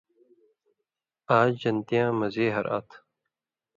آج جنتیان مزی ہرا تھہ